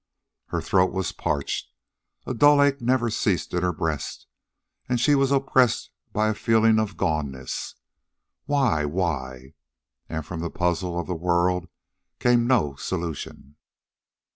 Her throat was parched, a dull ache never ceased in her breast, and she was oppressed by a feeling of goneness. WHY, WHY? And from the puzzle of the world came no solution.